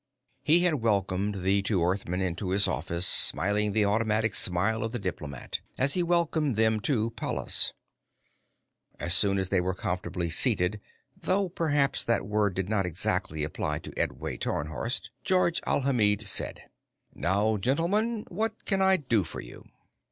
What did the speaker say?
He had welcomed the two Earthmen into his office, smiling the automatic smile of the diplomat as he welcomed them to Pallas. As soon as they were comfortably seated though perhaps that word did not exactly apply to Edway Tarnhorst Georges Alhamid said: "Now, gentlemen, what can I do for you?"